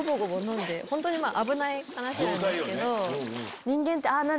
本当に危ない話なんですけど。